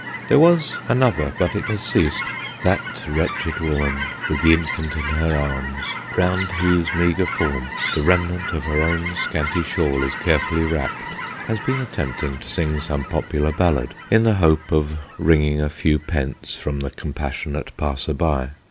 There was another, but it has ceased. That wretched woman with the infant in her arms, round whose meagre form the remnant of her own scanty shawl is carefully wrapped, has been attempting to sing some popular ballad, in the hope of wringing a few pence from the compassionate passer by.